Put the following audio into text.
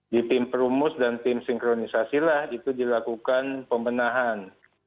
di tim perumus dan tim sinkronisasilah itu dilakukan pembenahan